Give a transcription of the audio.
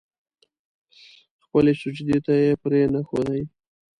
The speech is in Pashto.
خپلې سجدې ته يې پرې نه ښودې.